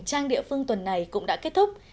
trang địa phương tuần này cũng đã kết thúc